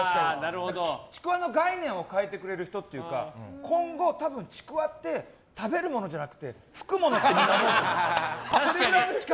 ちくわの概念を変えてくれる人っていうか今後、多分、ちくわって食べるものじゃなくて吹くものってみんな思うよ。